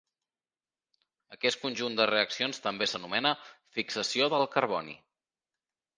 Aquest conjunt de reaccions també s'anomena "fixació del carboni".